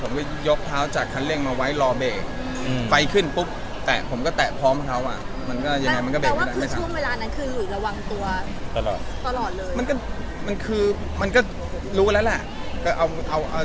ผมก็ยกเท้าจากคันเร่งมาไว้รอเบกไฟขึ้นปุ๊บแตะผมก็แตะพร้อมเขาอ่ะมันก็ยังไงมันก็เบกได้เลยครับ